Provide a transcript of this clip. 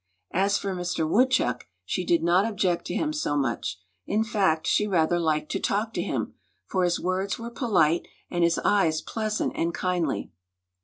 As for Mister Woodchuck, she did not object to him so much; in fact, she rather liked to talk to him, for his words were polite and his eyes pleasant and kindly.